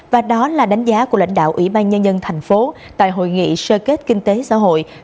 và đó là đánh giá của lãnh đạo ủy ban nhân dân thành phố tại hội nghị sơ kết kinh tế xã hội